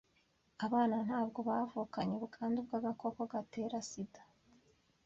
abana ntabwo bavukanye ubwandu bw’agakoko gatera SIDA.